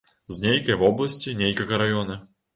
З нейкай вобласці, нейкага раёна.